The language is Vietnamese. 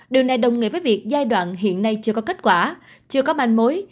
điều này đồng nghĩa với việc giai đoạn hiện nay chưa có kết quả chưa có manh mối